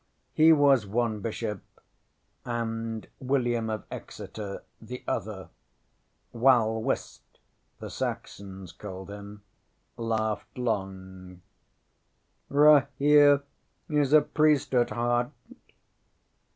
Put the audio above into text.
He was one bishop; and William of Exeter, the other Wal wist the Saxons called him laughed long. ŌĆ£Rahere is a priest at heart.